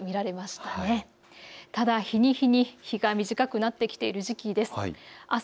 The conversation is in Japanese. ただ日に日に日が短くなってきている時期です。